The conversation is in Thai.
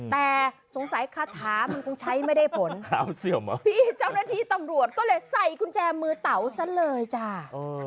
แต่สงสัยคาถามันคงใช้ไม่ได้ผลพี่เจ้าหน้าที่ตำรวจก็เลยใส่กุญแจมือเต๋าซะเลยจ้า